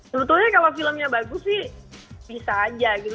sebetulnya kalau filmnya bagus sih bisa aja gitu